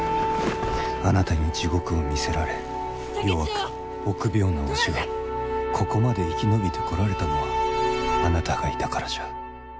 あなたに地獄を見せられ弱く臆病なわしがここまで生き延びてこられたのはあなたがいたからじゃ。